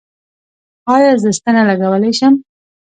ایا زه ستنه لګولی شم؟